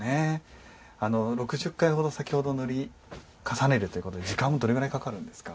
６０回ほど先ほど塗り重ねるということで時間はどれぐらいかかるんですか？